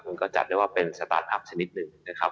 มันก็จัดได้ว่าเป็นสตาร์ทอัพชนิดหนึ่งนะครับ